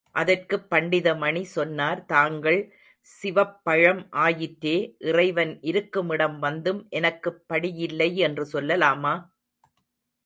அதற்குப் பண்டிதமணி சொன்னார் தாங்கள் சிவப்பழம் ஆயிற்றே, இறைவன் இருக்கும் இடம் வந்தும், எனக்குப் படியில்லை என்று சொல்லலாமா?